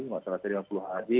masalahnya lima puluh hari